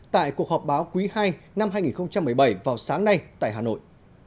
tại cuộc họp báo quý ii năm hai nghìn một mươi bảy vào sáng nay tại hà nội